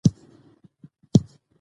د قانون حاکمیت د ټولنې نظم تضمینوي